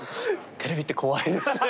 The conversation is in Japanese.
テレビって怖いですね。